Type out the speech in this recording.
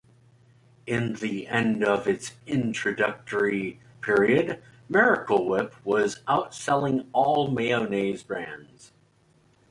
At the end of its introductory period, Miracle Whip was outselling all mayonnaise brands.